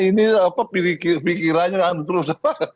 ini nana pikirannya terus